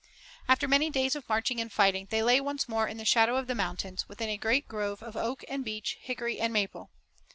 After many days of marching and fighting they lay once more in the shadow of the mountains, within a great grove of oak and beech, hickory and maple.